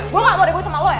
gue gak mau ibu sama lo ya